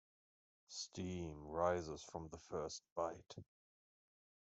Steam rises from the first bite.